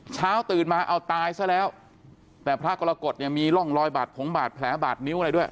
เช้าตื่นมาเอาตายซะแล้วแต่พระกรกฎเนี่ยมีร่องรอยบาดผงบาดแผลบาดนิ้วอะไรด้วย